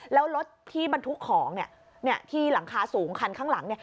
แล้วรถที่บรรทุกของที่หลังคาสูงคันข้างหลัง